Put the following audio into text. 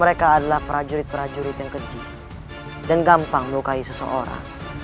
mereka adalah prajurit prajurit yang kecil dan gampang melukai seseorang